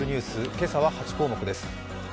今朝は８項目です。